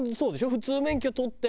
普通免許取って。